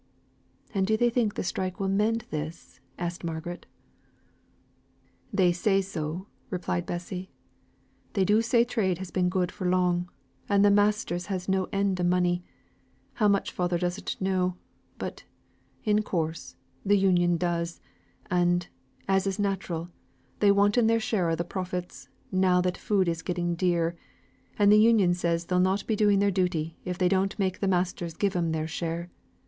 "And do they think the strike will mend this?" asked Margaret. "They say so," replied Bessy. "They do say trade has been good for long, and the masters has made no end o' money; how much father doesn't know, but, in course, th' Union does; and, as it is natural, they wanted their share o' th' profits, now that food is getting dear; and th' Union says they'll not be doing their duty if they don't make th' masters give 'em their share.